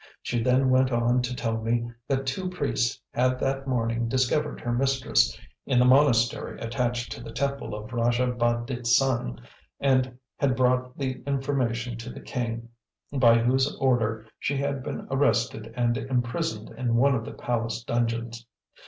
She then went on to tell me that two priests had that morning discovered her mistress in the monastery attached to the temple of Rajah Bah ditt Sang, and had brought the information to the king, by whose order she had been arrested and imprisoned in one of the palace dungeons.